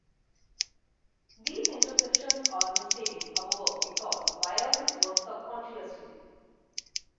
These introspections are misleading, however, because biases work sub-consciously.